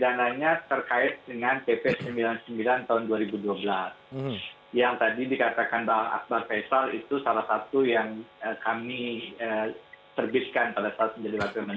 artinya dikatakan bertentangan